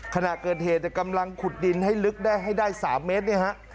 ขณะเกิดเหตุจะกำลังขุดดินให้ลึกให้ได้๓เมตร